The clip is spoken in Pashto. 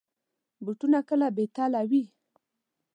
بوټونه کله بې تله وي.